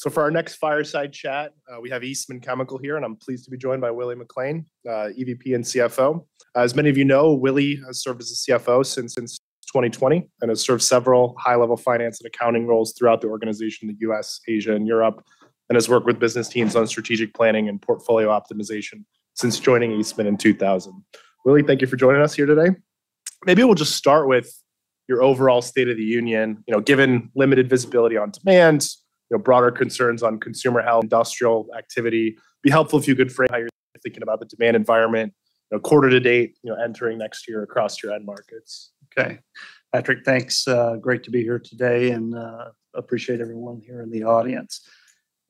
For our next fireside chat, we have Eastman Chemical here, and I'm pleased to be joined by Willie McLain, EVP and CFO. As many of you know, Willie has served as CFO since 2020 and has served several high-level finance and accounting roles throughout the organization in the U.S., Asia, and Europe, and has worked with business teams on strategic planning and portfolio optimization since joining Eastman in 2000. Willie, thank you for joining us here today. Maybe we'll just start with your overall state of the union, given limited visibility on demand, broader concerns on consumer health, industrial activity. It'd be helpful if you could frame how you're thinking about the demand environment quarter to date entering next year across your end markets. Okay. Patrick, thanks. Great to be here today, and I appreciate everyone here in the audience.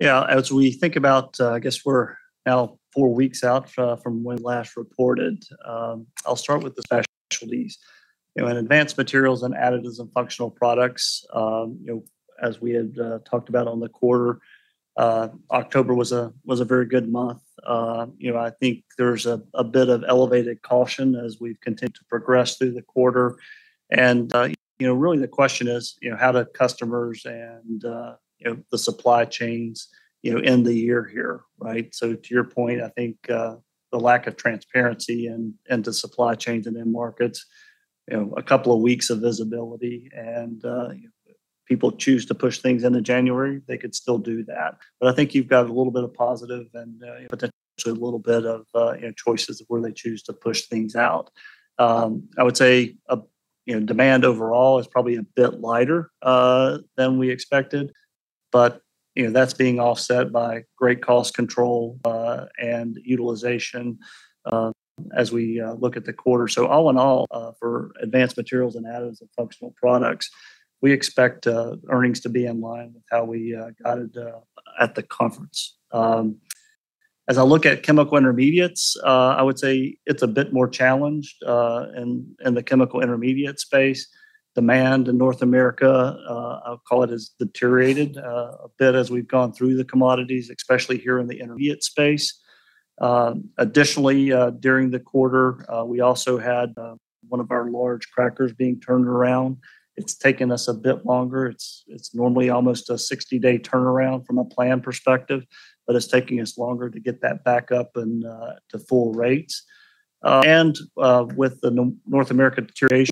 Yeah, as we think about, I guess we're now four weeks out from when last reported. I'll start with the specialties: Advanced Materials, and Additives & Functional Products. As we had talked about on the quarter, October was a very good month. I think there's a bit of elevated caution as we've continued to progress through the quarter. Really, the question is, how do customers and the supply chains end the year here, right? To your point, I think the lack of transparency into supply chains and end markets, a couple of weeks of visibility, and people choose to push things into January, they could still do that. I think you've got a little bit of positive and potentially a little bit of choices of where they choose to push things out. I would say demand overall is probably a bit lighter than we expected, but that's being offset by great cost control and utilization as we look at the quarter. All in all, for Advanced Materials and Additives & Functional Products, we expect earnings to be in line with how we got it at the conference. As I look at Chemical Intermediates, I would say it's a bit more challenged in the Chemical Intermediates space. Demand in North America, I'll call it, has deteriorated a bit as we've gone through the commodities, especially here in the intermediate space. Additionally, during the quarter, we also had one of our large crackers being turned around. It's taken us a bit longer. It's normally almost a 60-day turnaround from a plan perspective, but it's taking us longer to get that back up to full rates. With the North America deterioration,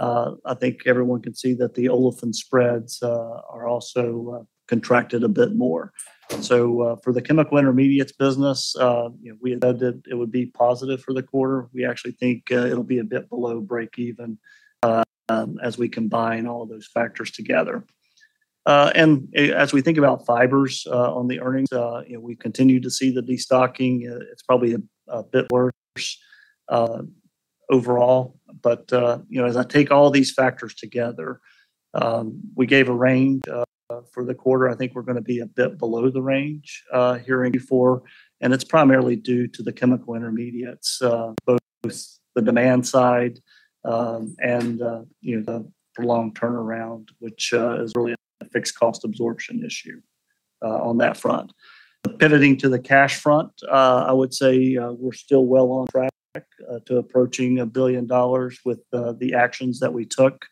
I think everyone can see that the Olefin spreads are also contracted a bit more. For the Chemical Intermediates business, we said that it would be positive for the quarter. We actually think it'll be a bit below break-even as we combine all of those factors together. As we think about Fibers on the earnings, we've continued to see the destocking. It's probably a bit worse overall. As I take all these factors together, we gave a range for the quarter. I think we're going to be a bit below the range here in Q4, and it's primarily due to the Chemical Intermediates, both the demand side and the prolonged turnaround, which is really a fixed cost absorption issue on that front. Pivoting to the cash front, I would say we're still well on track to approaching a billion dollars with the actions that we took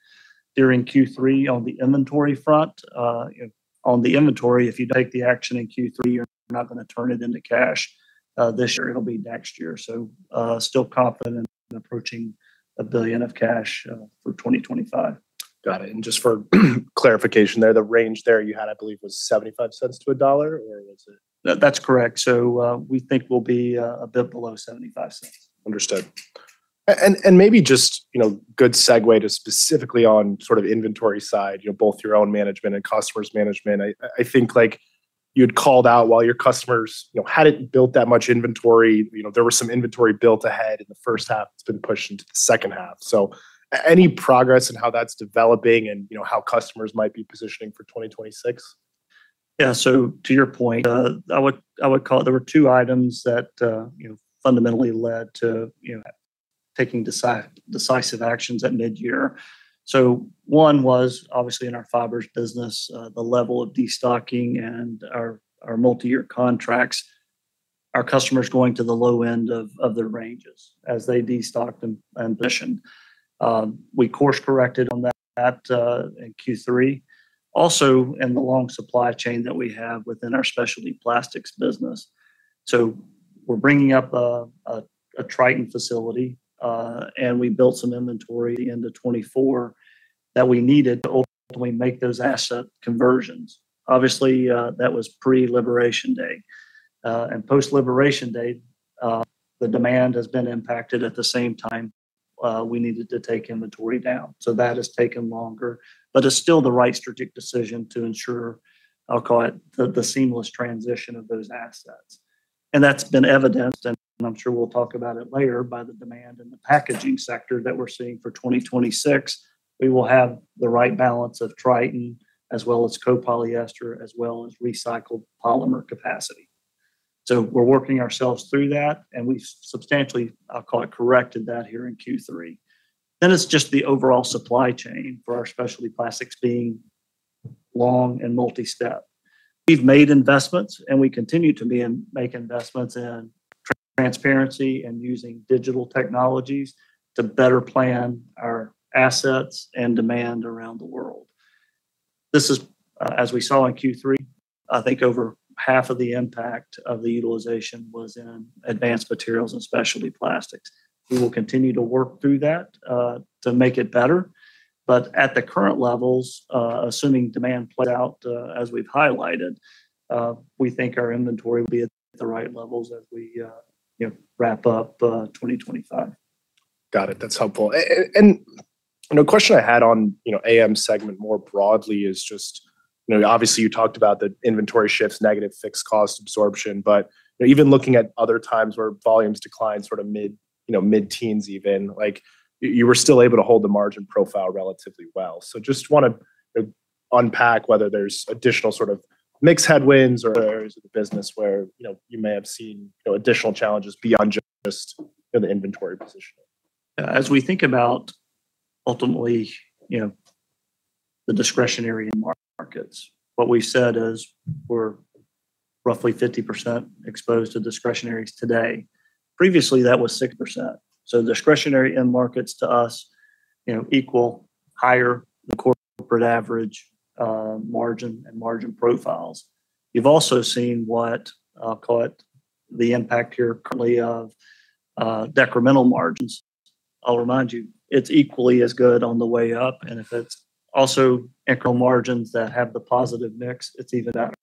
during Q3 on the inventory front. On the inventory, if you take the action in Q3, you're not going to turn it into cash this year. It'll be next year. Still confident in approaching a billion of cash for 2025. Got it. Just for clarification there, the range there you had, I believe, was $0.75 to $1, or was it? That's correct. We think we'll be a bit below $0.75. Understood. Maybe just a good segue to specifically on sort of inventory side, both your own management and customers' management. I think you had called out while your customers had not built that much inventory. There was some inventory built ahead in the first half. It has been pushed into the second half. Any progress in how that is developing and how customers might be positioning for 2026? Yeah. To your point, I would call it there were two items that fundamentally led to taking decisive actions at mid-year. One was, obviously, in our Fibers business, the level of destocking and our multi-year contracts. Our customers going to the low end of their ranges as they destocked and positioned. We course-corrected on that in Q3. Also, in the long supply chain that we have within our specialty plastics business. We are bringing up a Tritan facility, and we built some inventory into 2024 that we needed to ultimately make those asset conversions. Obviously, that was pre-liberation day. Post-liberation day, the demand has been impacted. At the same time, we needed to take inventory down. That has taken longer, but it is still the right strategic decision to ensure, I will call it, the seamless transition of those assets. That has been evidenced, and I'm sure we'll talk about it later, by the demand in the packaging sector that we're seeing for 2026. We will have the right balance of Tritan as well as copolyester as well as recycled polymer capacity. We are working ourselves through that, and we've substantially, I'll call it, corrected that here in Q3. It is just the overall supply chain for our specialty plastics being long and multi-step. We have made investments, and we continue to make investments in transparency and using digital technologies to better plan our assets and demand around the world. This is, as we saw in Q3, I think over half of the impact of the utilization was in Advanced Materials and specialty plastics. We will continue to work through that to make it better. At the current levels, assuming demand plays out as we've highlighted, we think our inventory will be at the right levels as we wrap up 2025. Got it. That's helpful. A question I had on AM segment more broadly is just, obviously, you talked about the inventory shifts, negative fixed cost absorption, but even looking at other times where volumes declined sort of mid-teens even, you were still able to hold the margin profile relatively well. I just want to unpack whether there's additional sort of mixed headwinds or areas of the business where you may have seen additional challenges beyond just the inventory positioning. As we think about ultimately the discretionary markets, what we said is we're roughly 50% exposed to discretionaries today. Previously, that was 6%. Discretionary end markets to us equal higher than corporate average margin and margin profiles. You've also seen what I'll call it the impact here currently of decremental margins. I'll remind you, it's equally as good on the way up. If it's also incremental margins that have the positive mix, it's even better.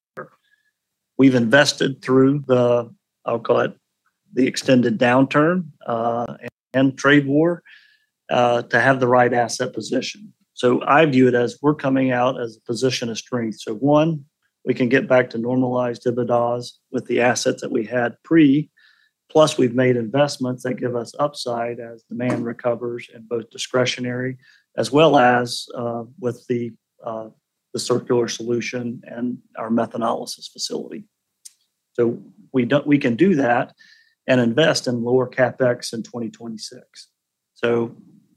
We've invested through the, I'll call it, the extended downturn and trade war to have the right asset position. I view it as we're coming out as a position of strength. One, we can get back to normalized dividends with the assets that we had pre, plus we've made investments that give us upside as demand recovers in both discretionary as well as with the circular solution and our methanolysis facility. We can do that and invest in lower CapEx in 2026.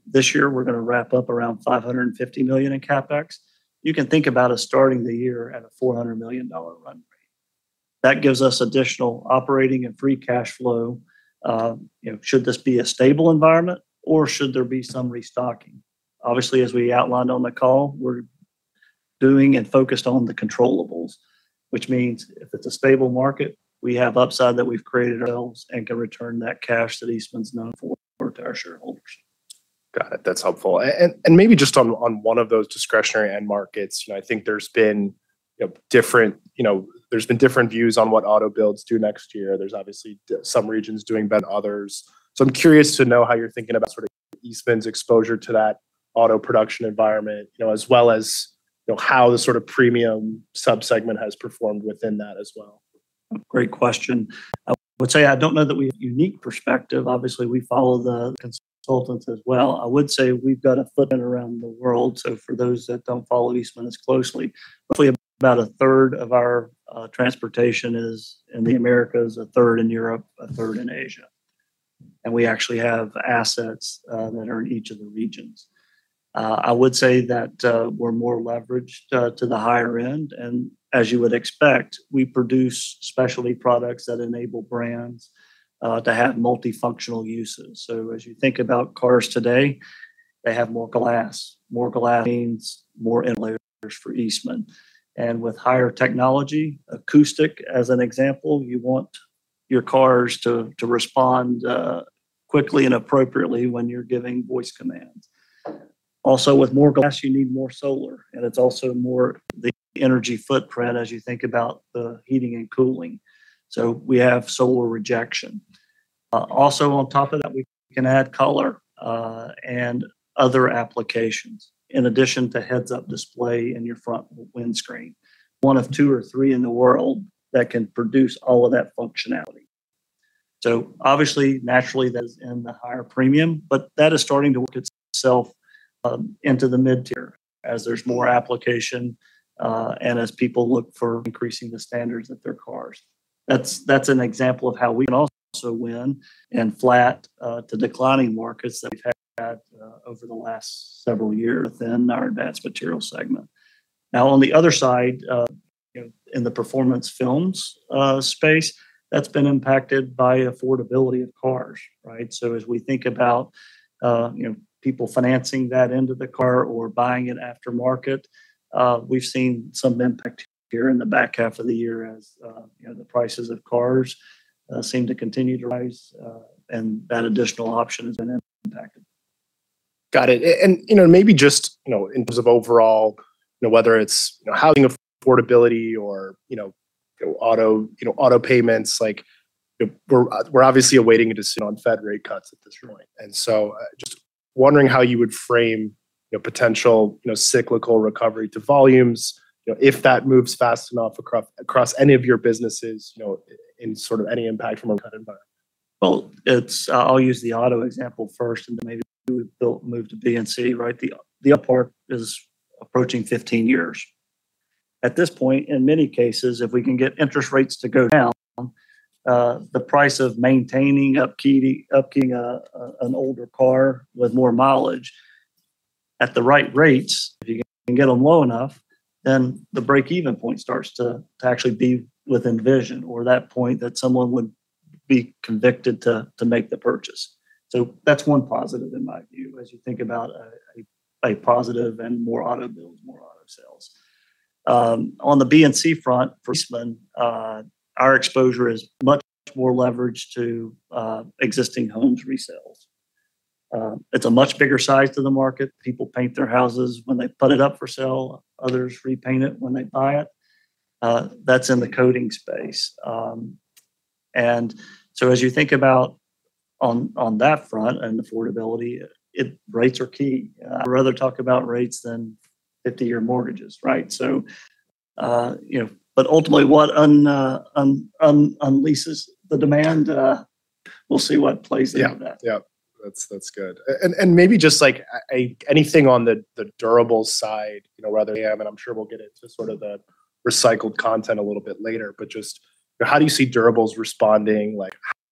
This year, we're going to wrap up around $550 million in CapEx. You can think about us starting the year at a $400 million run rate. That gives us additional operating and free cash flow. Should this be a stable environment, or should there be some restocking? Obviously, as we outlined on the call, we're doing and focused on the controllable, which means if it's a stable market, we have upside that we've created ourselves and can return that cash that Eastman's known for to our shareholders. Got it. That's helpful. Maybe just on one of those discretionary end markets, I think there's been different views on what auto builds do next year. There's obviously some regions doing better than others. I'm curious to know how you're thinking about sort of Eastman's exposure to that auto production environment, as well as how the sort of premium subsegment has performed within that as well. Great question. I would say I don't know that we have a unique perspective. Obviously, we follow the consultants as well. I would say we've got a footprint around the world. For those that don't follow Eastman as closely, roughly about a third of our transportation is in the Americas, a third in Europe, a third in Asia. We actually have assets that are in each of the regions. I would say that we're more leveraged to the higher end. As you would expect, we produce specialty products that enable brands to have multifunctional uses. As you think about cars today, they have more glass. More glass means more interlayers for Eastman. With higher technology, acoustic as an example, you want your cars to respond quickly and appropriately when you're giving voice commands. Also, with more glass, you need more solar. It is also more the energy footprint as you think about the heating and cooling. We have solar rejection. Also, on top of that, we can add color and other applications in addition to heads-up display in your front windscreen. One of two or three in the world that can produce all of that functionality. Obviously, naturally, that is in the higher premium, but that is starting to work itself into the mid-tier as there is more application and as people look for increasing the standards of their cars. That is an example of how we can also win in flat to declining markets that we have had over the last several years within our Advanced Materials segment. On the other side, in the performance films space, that has been impacted by affordability of cars, right? As we think about people financing that into the car or buying it after market, we've seen some impact here in the back half of the year as the prices of cars seem to continue to rise, and that additional option has been impacted. Got it. Maybe just in terms of overall, whether it's housing affordability or auto payments, we're obviously awaiting a decision on Fed rate cuts at this point. Just wondering how you would frame potential cyclical recovery to volumes if that moves fast enough across any of your businesses in sort of any impact from that environment. I'll use the auto example first, and maybe we move to B&C, right? The upward is approaching 15 years. At this point, in many cases, if we can get interest rates to go down, the price of maintaining an older car with more mileage at the right rates, if you can get them low enough, then the break-even point starts to actually be within vision or that point that someone would be convicted to make the purchase. That's one positive in my view as you think about a positive and more auto builds, more auto sales. On the B&C front for Eastman, our exposure is much more leveraged to existing homes resales. It's a much bigger size to the market. People paint their houses when they put it up for sale. Others repaint it when they buy it. That's in the coating space. As you think about on that front and affordability, rates are key. I'd rather talk about rates than 50-year mortgages, right? Ultimately, what unleashes the demand? We'll see what plays into that. Yeah. That's good. Maybe just anything on the durable side, whether AM, and I'm sure we'll get into sort of the recycled content a little bit later, but just how do you see durables responding?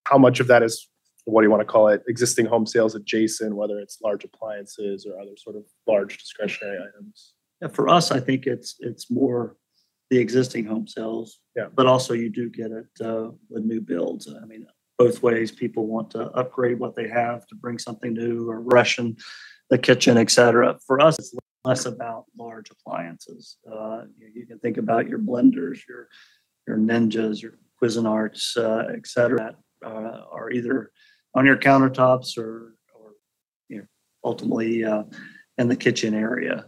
How much of that is, what do you want to call it, existing home sales adjacent, whether it's large appliances or other sort of large discretionary items? Yeah. For us, I think it's more the existing home sales, but also you do get it with new builds. I mean, both ways, people want to upgrade what they have to bring something new or refresh the kitchen, etc. For us, it's less about large appliances. You can think about your blenders, your Ninjas, your Cuisinarts, etc., that are either on your countertops or ultimately in the kitchen area.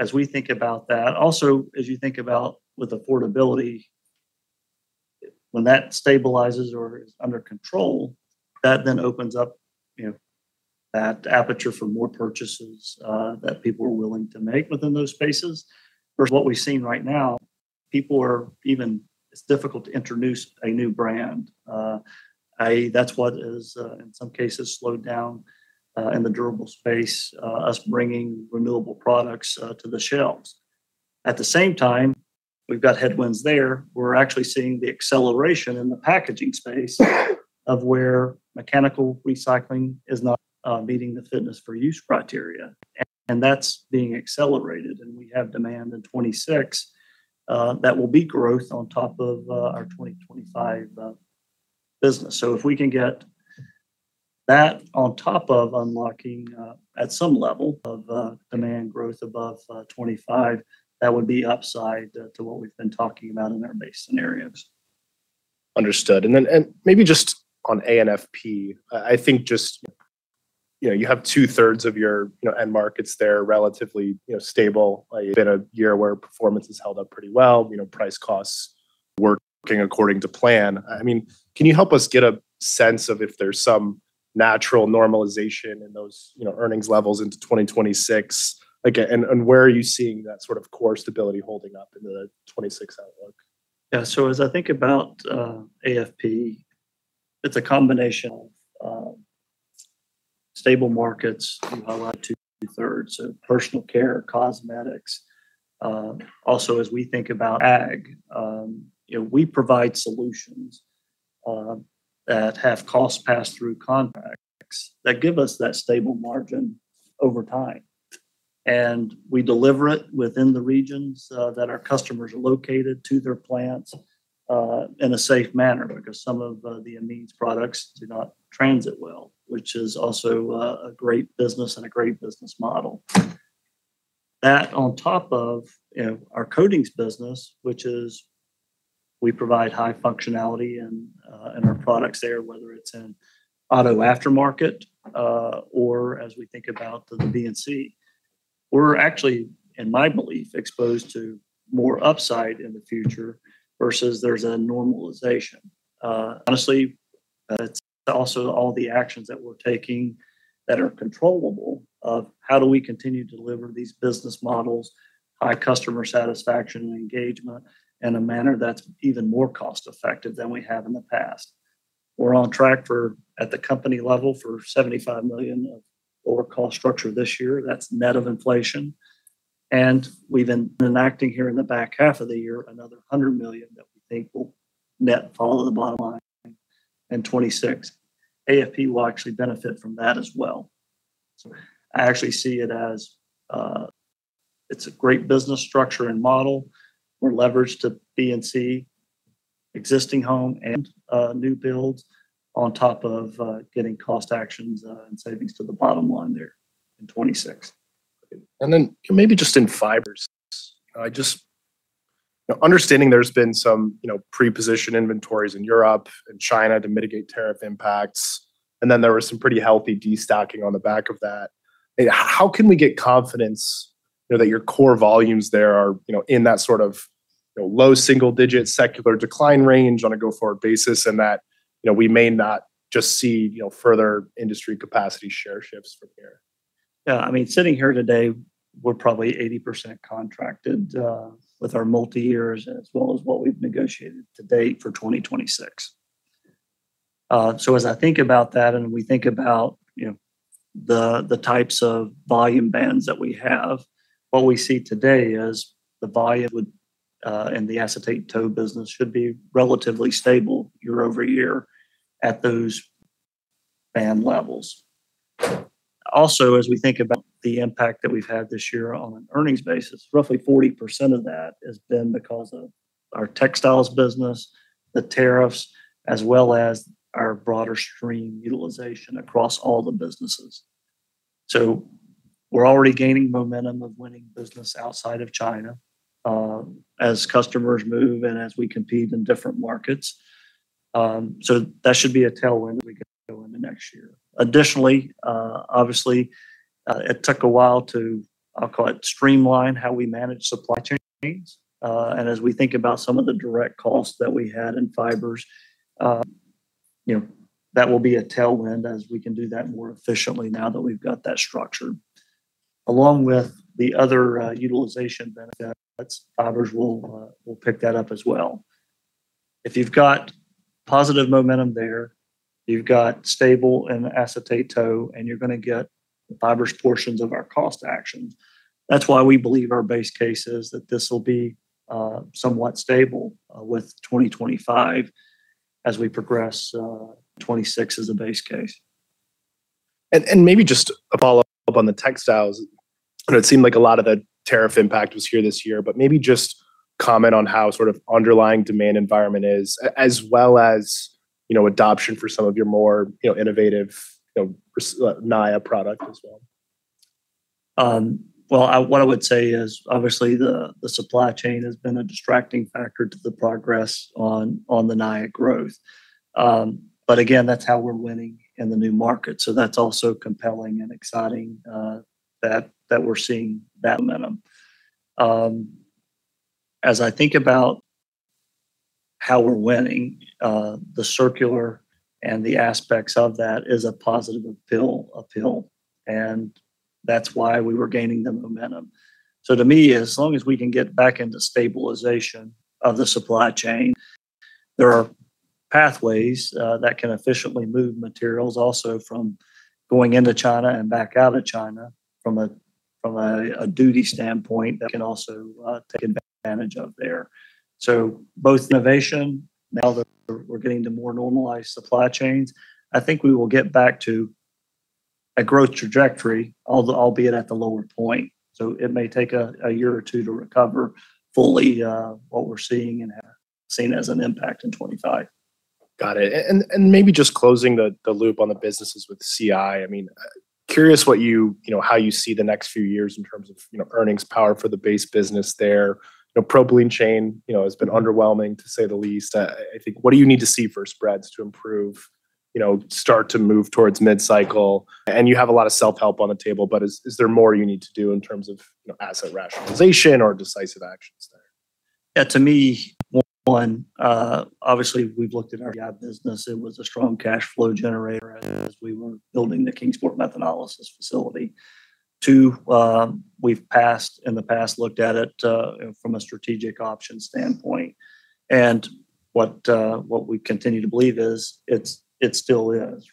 As we think about that, also as you think about with affordability, when that stabilizes or is under control, that then opens up that aperture for more purchases that people are willing to make within those spaces. For what we've seen right now, people are even—it's difficult to introduce a new brand. That's what has, in some cases, slowed down in the durable space, us bringing renewable products to the shelves. At the same time, we've got headwinds there. We're actually seeing the acceleration in the packaging space of where mechanical recycling is not meeting the fitness for use criteria. That is being accelerated. We have demand in 2026 that will be growth on top of our 2025 business. If we can get that on top of unlocking at some level of demand growth above 2025, that would be upside to what we've been talking about in our base scenarios. Understood. Maybe just on A&FP, I think just you have two-thirds of your end markets there relatively stable. It has been a year where performance has held up pretty well. Price costs working according to plan. I mean, can you help us get a sense of if there is some natural normalization in those earnings levels into 2026? Where are you seeing that sort of core stability holding up in the 2026 outlook? Yeah. As I think about A&FP, it's a combination of stable markets. You highlight two-thirds of personal care, cosmetics. Also, as we think about ag, we provide solutions that have costs passed through contracts that give us that stable margin over time. We deliver it within the regions that our customers are located to their plants in a safe manner because some of the A&FP products do not transit well, which is also a great business and a great business model. That on top of our coatings business, we provide high functionality in our products there, whether it's in auto aftermarket or as we think about the B&C, we're actually, in my belief, exposed to more upside in the future versus there's a normalization. Honestly, it's also all the actions that we're taking that are controllable of how do we continue to deliver these business models, high customer satisfaction and engagement in a manner that's even more cost-effective than we have in the past. We're on track at the company level for $75 million of lower cost structure this year. That's net of inflation. We've been enacting here in the back half of the year another $100 million that we think will net fall to the bottom line in 2026. A&FP will actually benefit from that as well. I actually see it as it's a great business structure and model. We're leveraged to B&C, existing home and new builds on top of getting cost actions and savings to the bottom line there in 2026. Maybe just in five years, just understanding there's been some pre-position inventories in Europe and China to mitigate tariff impacts, and then there was some pretty healthy destocking on the back of that. How can we get confidence that your core volumes there are in that sort of low single-digit secular decline range on a go-forward basis and that we may not just see further industry capacity share shifts from here? Yeah. I mean, sitting here today, we're probably 80% contracted with our multi-years as well as what we've negotiated to date for 2026. As I think about that and we think about the types of volume bands that we have, what we see today is the volume in the acetate tow business should be relatively stable year over year at those band levels. Also, as we think about the impact that we've had this year on an earnings basis, roughly 40% of that has been because of our textiles business, the tariffs, as well as our broader stream utilization across all the businesses. We're already gaining momentum of winning business outside of China as customers move and as we compete in different markets. That should be a tailwind we can go into next year. Additionally, obviously, it took a while to, I'll call it, streamline how we manage supply chains. As we think about some of the direct costs that we had in Fibers, that will be a tailwind as we can do that more efficiently now that we've got that structure. Along with the other utilization benefits, Fibers will pick that up as well. If you've got positive momentum there, you've got stable in acetate tow, and you're going to get the Fibers portions of our cost action. That's why we believe our base case is that this will be somewhat stable with 2025 as we progress 2026 as a base case. Maybe just a follow-up on the textiles. It seemed like a lot of the tariff impact was here this year, but maybe just comment on how sort of underlying demand environment is, as well as adoption for some of your more innovative Naia product as well. What I would say is, obviously, the supply chain has been a distracting factor to the progress on the Naia growth. Again, that's how we're winning in the new market. That's also compelling and exciting that we're seeing that momentum. As I think about how we're winning, the circular and the aspects of that is a positive appeal. That's why we were gaining the momentum. To me, as long as we can get back into stabilization of the supply chain, there are pathways that can efficiently move materials also from going into China and back out of China from a duty standpoint that can also take advantage of there. Both innovation, now that we're getting to more normalized supply chains, I think we will get back to a growth trajectory, albeit at the lower point. It may take a year or two to recover fully what we're seeing and seen as an impact in 2025. Got it. Maybe just closing the loop on the businesses with CI, I mean, curious how you see the next few years in terms of earnings power for the base business there. Propylene chain has been underwhelming, to say the least. I think what do you need to see for spreads to improve, start to move towards mid-cycle? You have a lot of self-help on the table, but is there more you need to do in terms of asset rationalization or decisive actions there? Yeah. To me, one, obviously, we've looked at our CI business. It was a strong cash flow generator as we were building the Kingsport methanolysis facility. Two, we've in the past looked at it from a strategic option standpoint. What we continue to believe is it still is.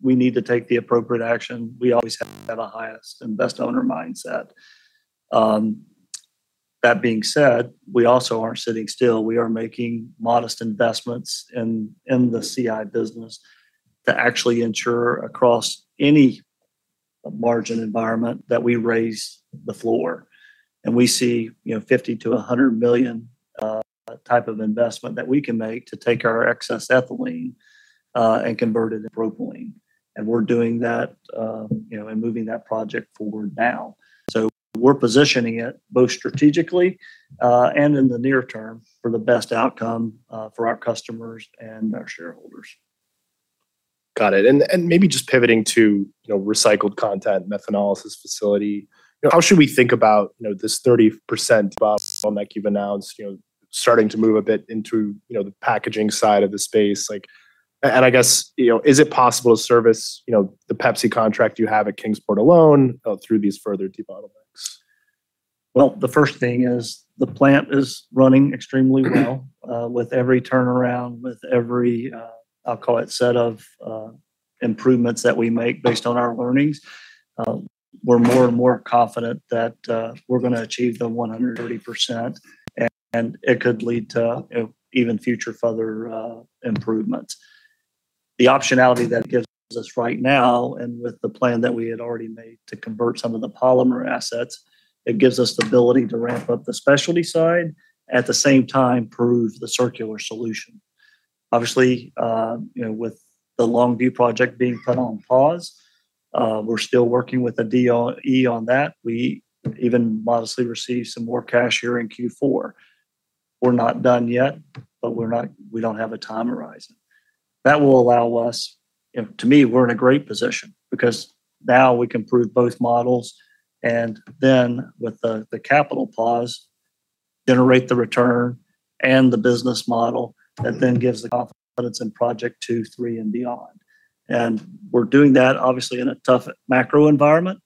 We need to take the appropriate action. We always have the highest and best owner mindset. That being said, we also aren't sitting still. We are making modest investments in the CI business to actually ensure across any margin environment that we raise the floor. We see $50 million-$100 million type of investment that we can make to take our excess ethylene and convert it into propylene. We are doing that and moving that project forward now. We are positioning it both strategically and in the near term for the best outcome for our customers and our shareholders. Got it. Maybe just pivoting to recycled content methanolysis facility, how should we think about this 30% bottleneck you've announced starting to move a bit into the packaging side of the space? I guess, is it possible to service the Pepsi contract you have at Kingsport alone through these further debottlenecks? The first thing is the plant is running extremely well with every turnaround, with every, I'll call it, set of improvements that we make based on our learnings. We're more and more confident that we're going to achieve the 130%, and it could lead to even future further improvements. The optionality that gives us right now, and with the plan that we had already made to convert some of the polymer assets, it gives us the ability to ramp up the specialty side at the same time prove the circular solution. Obviously, with the Longview project being put on pause, we're still working with the DOE on that. We even modestly received some more cash here in Q4. We're not done yet, but we don't have a time horizon. That will allow us, to me, we're in a great position because now we can prove both models and then with the capital pause, generate the return and the business model that then gives the confidence in project two, three, and beyond. We're doing that, obviously, in a tough macro environment.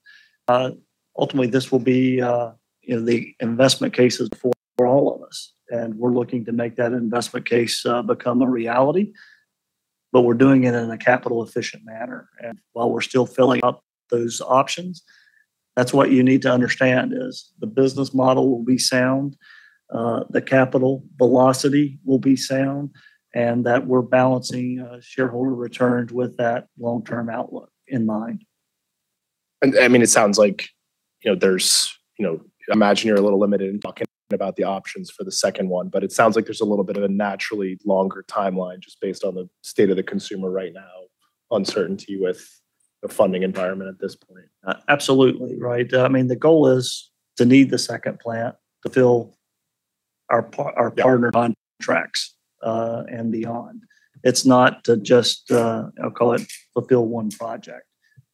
Ultimately, this will be the investment case for all of us. We're looking to make that investment case become a reality, but we're doing it in a capital-efficient manner. While we're still filling up those options, that's what you need to understand is the business model will be sound, the capital velocity will be sound, and that we're balancing shareholder returns with that long-term outlook in mind. I mean, it sounds like there's—imagine you're a little limited in talking about the options for the second one, but it sounds like there's a little bit of a naturally longer timeline just based on the state of the consumer right now, uncertainty with the funding environment at this point. Absolutely, right. I mean, the goal is to need the second plant to fill our partner contracts and beyond. It's not to just, I'll call it, fulfill one project.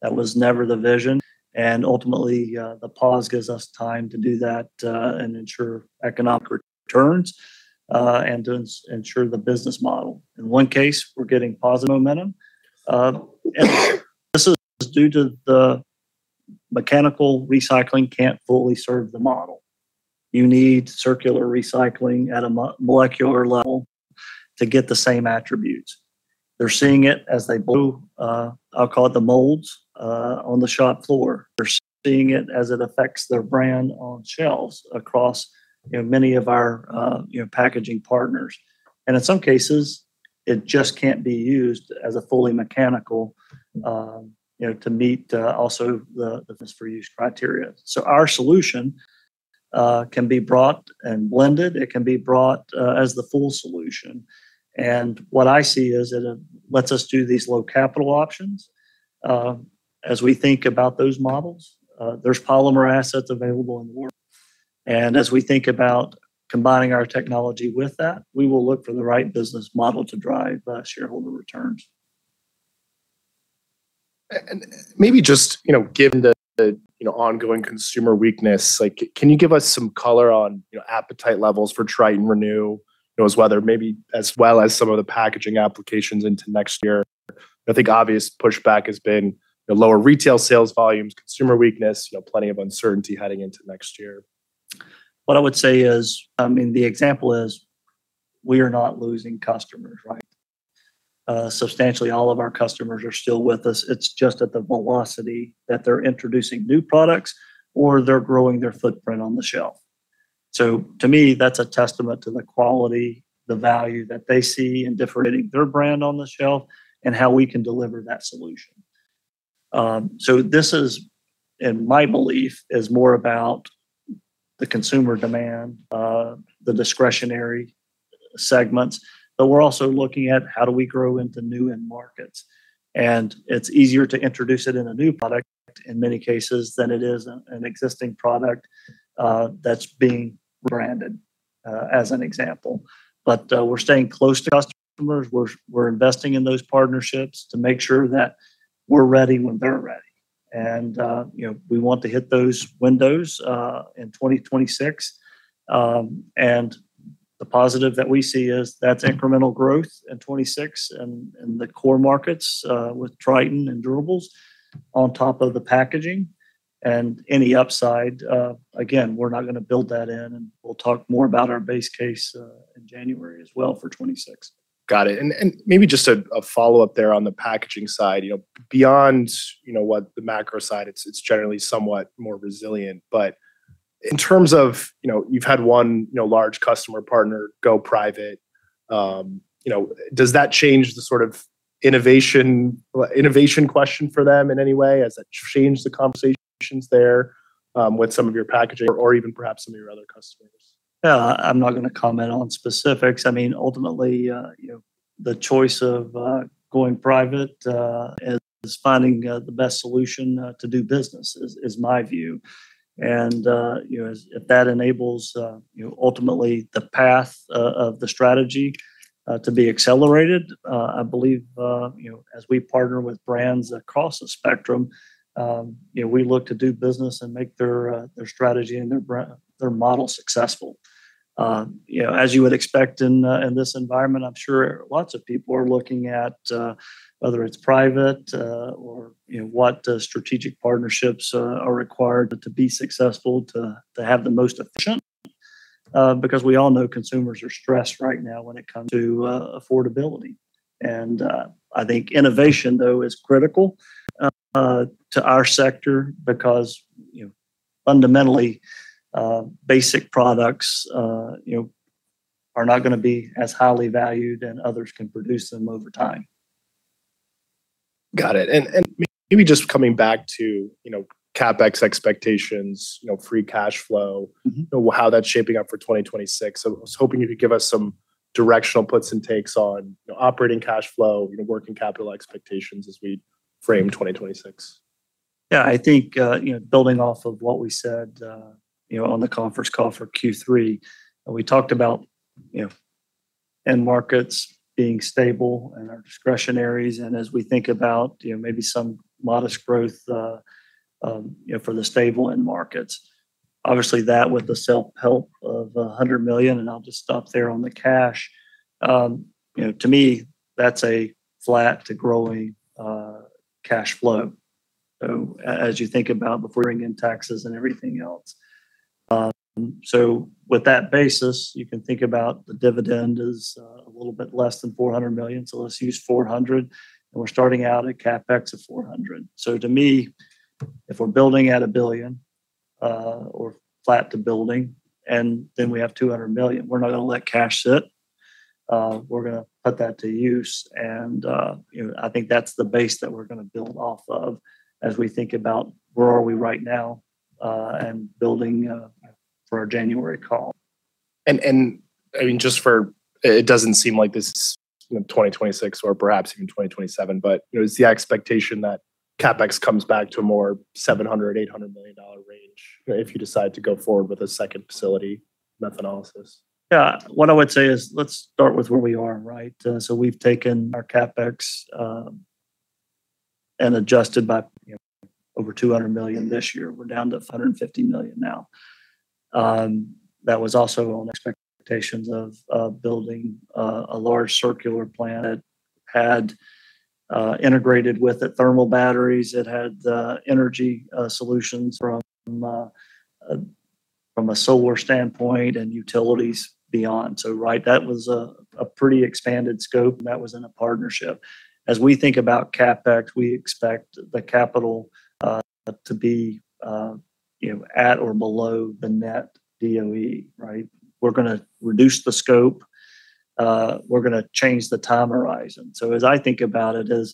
That was never the vision. Ultimately, the pause gives us time to do that and ensure economic returns and to ensure the business model. In one case, we're getting positive momentum. This is due to the mechanical recycling can't fully serve the model. You need circular recycling at a molecular level to get the same attributes. They're seeing it as they, I'll call it, the molds on the shop floor. They're seeing it as it affects their brand on shelves across many of our packaging partners. In some cases, it just can't be used as a fully mechanical to meet also the business-for-use criteria. Our solution can be brought and blended. It can be brought as the full solution. What I see is it lets us do these low capital options. As we think about those models, there's polymer assets available in the world. As we think about combining our technology with that, we will look for the right business model to drive shareholder returns. Maybe just given the ongoing consumer weakness, can you give us some color on appetite levels for Tritan Renew as well as some of the packaging applications into next year? I think obvious pushback has been lower retail sales volumes, consumer weakness, plenty of uncertainty heading into next year. What I would say is, I mean, the example is we are not losing customers, right? Substantially, all of our customers are still with us. It's just at the velocity that they're introducing new products or they're growing their footprint on the shelf. To me, that's a testament to the quality, the value that they see in differentiating their brand on the shelf and how we can deliver that solution. This is, in my belief, more about the consumer demand, the discretionary segments, but we're also looking at how do we grow into new end markets. It's easier to introduce it in a new product in many cases than it is an existing product that's being rebranded, as an example. We're staying close to customers. We're investing in those partnerships to make sure that we're ready when they're ready. We want to hit those windows in 2026. The positive that we see is that's incremental growth in 2026 in the core markets with Tritan and Durables on top of the packaging. Any upside, again, we're not going to build that in. We'll talk more about our base case in January as well for 2026. Got it. Maybe just a follow-up there on the packaging side. Beyond what the macro side, it's generally somewhat more resilient. In terms of you've had one large customer partner go private, does that change the sort of innovation question for them in any way? Has that changed the conversations there with some of your packaging or even perhaps some of your other customers? Yeah. I'm not going to comment on specifics. I mean, ultimately, the choice of going private is finding the best solution to do business is my view. If that enables ultimately the path of the strategy to be accelerated, I believe as we partner with brands across the spectrum, we look to do business and make their strategy and their model successful. As you would expect in this environment, I'm sure lots of people are looking at whether it's private or what strategic partnerships are required to be successful to have the most efficient because we all know consumers are stressed right now when it comes to affordability. I think innovation, though, is critical to our sector because fundamentally, basic products are not going to be as highly valued and others can produce them over time. Got it. Maybe just coming back to CapEx expectations, free cash flow, how that's shaping up for 2026. I was hoping you could give us some directional puts and takes on operating cash flow, working capital expectations as we frame 2026. Yeah. I think building off of what we said on the conference call for Q3, we talked about end markets being stable and our discretionaries. As we think about maybe some modest growth for the stable end markets, obviously that with the self-help of $100 million, and I'll just stop there on the cash, to me, that's a flat to growing cash flow. As you think about before bringing in taxes and everything else. With that basis, you can think about the dividend as a little bit less than $400 million. Let's use $400 million. We're starting out at CapEx of $400 million. To me, if we're building at a billion or flat to building, and then we have $200 million, we're not going to let cash sit. We're going to put that to use. I think that's the base that we're going to build off of as we think about where are we right now and building for our January call. I mean, just for it does not seem like this is 2026 or perhaps even 2027, but is the expectation that CapEx comes back to a more $700 million-$800 million range if you decide to go forward with a second facility methanolysis? Yeah. What I would say is let's start with where we are, right? We've taken our CapEx and adjusted by over $200 million this year. We're down to $150 million now. That was also on expectations of building a large circular plant that had integrated with it thermal batteries. It had energy solutions from a solar standpoint and utilities beyond. That was a pretty expanded scope. That was in a partnership. As we think about CapEx, we expect the capital to be at or below the net DOE, right? We're going to reduce the scope. We're going to change the time horizon. As I think about it, as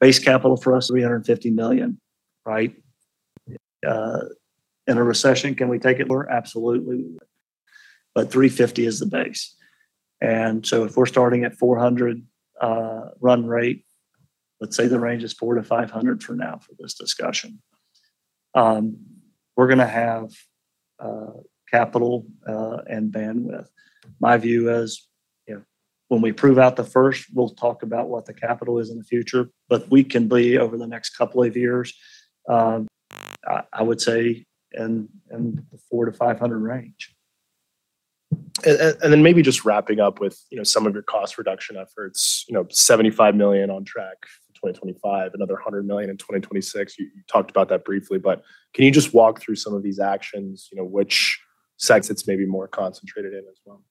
base capital for us, $350 million, right? In a recession, can we take it lower? Absolutely. But $350 million is the base. If we're starting at $400 million run rate, let's say the range is $400 million-$500 million for now for this discussion. We're going to have capital and bandwidth. My view is when we prove out the first, we'll talk about what the capital is in the future, but we can be over the next couple of years, I would say, in the $400 million-$500 million range. Maybe just wrapping up with some of your cost reduction efforts, $75 million on track for 2025, another $100 million in 2026. You talked about that briefly, but can you just walk through some of these actions, which sectors it's maybe more concentrated in as well?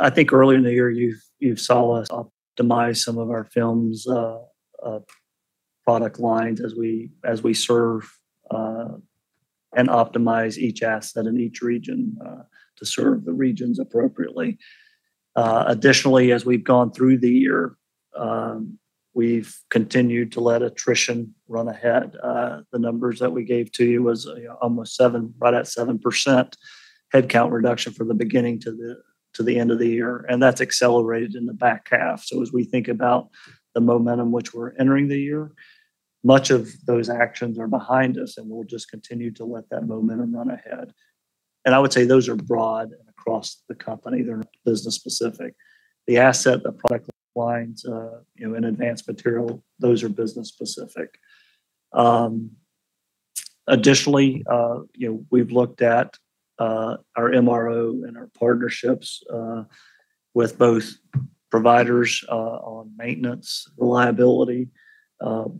I think earlier in the year, you saw us optimize some of our films product lines as we serve and optimize each asset in each region to serve the regions appropriately. Additionally, as we've gone through the year, we've continued to let attrition run ahead. The numbers that we gave to you was almost %7, right at 7% headcount reduction from the beginning to the end of the year. That has accelerated in the back half. As we think about the momentum which we're entering the year, much of those actions are behind us, and we'll just continue to let that momentum run ahead. I would say those are broad across the company. They're not business-specific. The asset, the product lines, and Advanced Materials, those are business-specific. Additionally, we've looked at our MRO and our partnerships with both providers on maintenance reliability.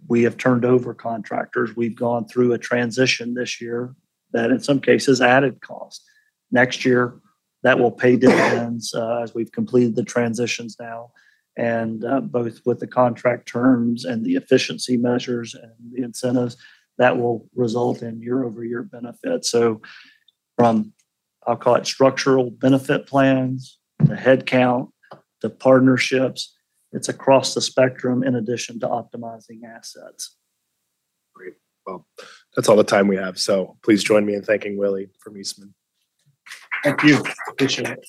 We have turned over contractors. We've gone through a transition this year that in some cases added cost. Next year, that will pay dividends as we've completed the transitions now. Both with the contract terms and the efficiency measures and the incentives, that will result in year-over-year benefits. From, I'll call it structural benefit plans, the headcount, the partnerships, it's across the spectrum in addition to optimizing assets. Great. That is all the time we have. Please join me in thanking Willie from Eastman. Thank you. Appreciate it.